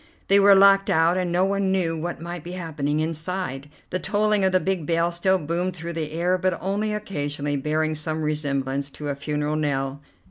They were locked out, and no one knew what might be happening inside. The tolling of the big bell still boomed through the air, but only occasionally, bearing some resemblance to a funeral knell.